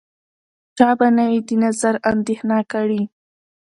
چا به نه وي د نظر اندېښنه کړې